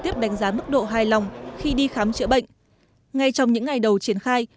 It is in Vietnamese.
tiếp đánh giá mức độ hài lòng khi đi khám chữa bệnh ngay trong những ngày đầu triển khai